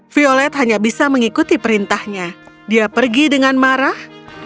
violet hanya bisa mengikuti perintahnya dia pergi dengan marah